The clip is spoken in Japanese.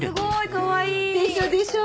かわいい。でしょ？でしょ？